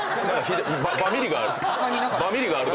バミリがある。